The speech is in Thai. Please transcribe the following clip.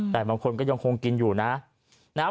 แต่บางคนก็ยังคงกินอยู่นะ